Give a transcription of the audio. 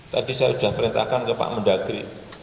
tadi saya sudah perintahkan ke pak mendagri